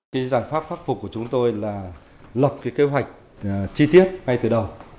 cái giải pháp khắc phục của chúng tôi là lập cái kế hoạch chi tiết ngay từ đầu